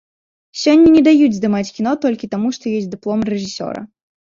Сёння не даюць здымаць кіно, толькі таму, што ёсць дыплом рэжысёра.